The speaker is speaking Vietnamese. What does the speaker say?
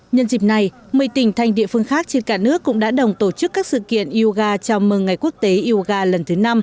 nhân dịp này một mươi tỉnh thành địa phương khác trên cả nước cũng đã đồng tổ chức các sự kiện yoga chào mừng ngày quốc tế yoga lần thứ năm